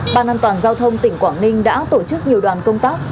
ban an toàn giao thông tỉnh quảng ninh đã tổ chức nhiều đoàn công tác